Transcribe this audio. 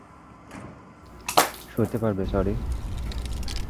সইতে পারবে সরি?